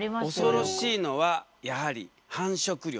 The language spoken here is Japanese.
恐ろしいのはやはり繁殖力。